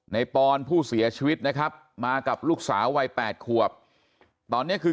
ปอนผู้เสียชีวิตนะครับมากับลูกสาววัย๘ขวบตอนนี้คือ